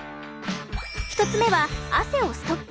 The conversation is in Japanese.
１つ目は汗をストップ！